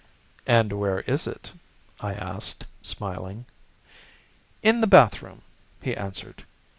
"And where is it?" I asked, smiling. "In the bathroom," he answered.